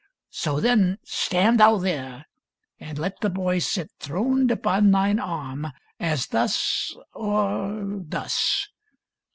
So, then, stand thou there. And let the boy sit throned upon thine arm. As thus, or thus."